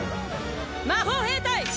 魔法兵隊！